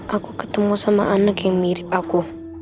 aku ketemu sama anak yang mirip aku